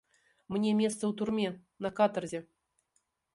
Мне месца ў турме, на катарзе.